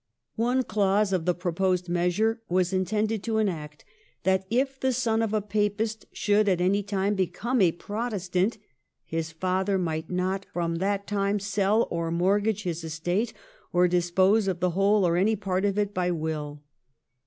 One clause of the proposed measure was intended to enact that if the son of a Papist should at any time become a Protestant his father might not from that time sell or mortgage his estate, or dispose of the whole or any part of it by will.